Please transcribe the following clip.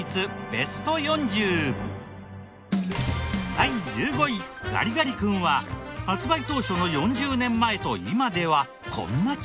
第１５位ガリガリ君は発売当初の４０年前と今ではこんな違いがありました。